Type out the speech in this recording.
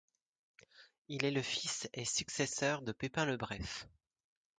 Il est le fils et successeur de Pépin le Bref.